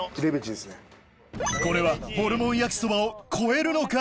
これはホルモン焼きそばを超えるのか？